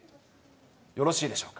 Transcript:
よろしいでしょうか。